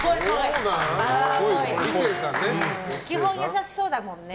基本、優しそうだもんね。